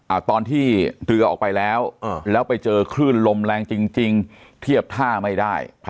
ตอนที่เรือออกไปแล้วแล้วไปเจอคลื่นลมแรงจริงจริงเทียบท่าไม่ได้